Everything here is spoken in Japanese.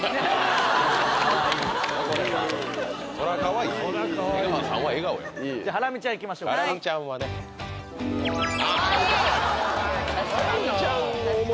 そらかわいいよ瀬川さんは笑顔やハラミちゃんいきましょうかハラミちゃんはねかわいい！